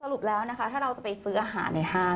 รุปแล้วนะคะถ้าเราจะไปซื้ออาหารในห้าง